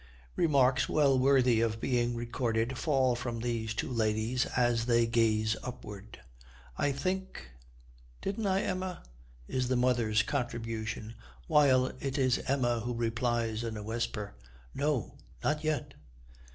Remarks well worthy of being recorded fall from these two ladies as they gaze upward. 'I think didn't I, Emma?' is the mother's contribution, while it is Emma who replies in a whisper, 'No, not yet!'